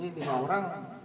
ini lima orang